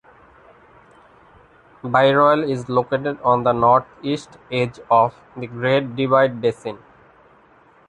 Bairoil is located on the northeast edge of the Great Divide Basin.